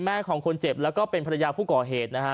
ของคนเจ็บแล้วก็เป็นภรรยาผู้ก่อเหตุนะฮะ